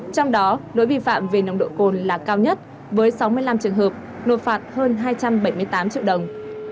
trong đó lỗi vi phạm về nồng độ cồn là cao nhất với sáu mươi năm trường hợp nộp phạt hơn hai trăm bảy mươi tám triệu đồng